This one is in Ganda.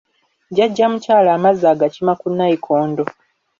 Jjajja mukyala amazzi agakima ku nnayikondo.